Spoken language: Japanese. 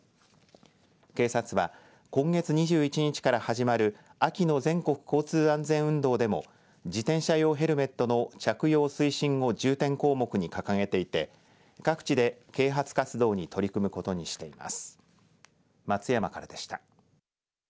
警察は今月２１日から始まる秋の全国交通安全運動でも自転車用ヘルメットの着用推進を重点項目に掲げていて各地で啓発活動に取り組むことにしています。